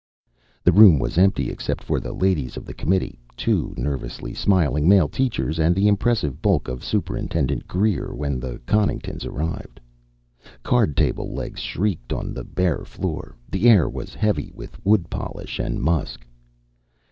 The room was empty, except for the ladies of the Committee, two nervously smiling male teachers and the impressive bulk of Superintendent Greer when the Conningtons arrived. Card table legs skreeked on the bare floor; the air was heavy with wood polish and musk.